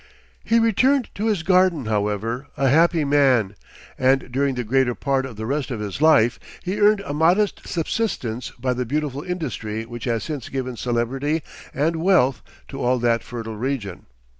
He returned to his garden, however, a happy man, and during the greater part of the rest of his life he earned a modest subsistence by the beautiful industry which has since given celebrity and wealth to all that fertile region.